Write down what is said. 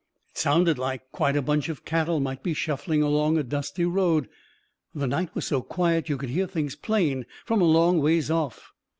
It sounded like quite a bunch of cattle might shuffling along a dusty road. The night was so quiet you could hear things plain from a long ways off.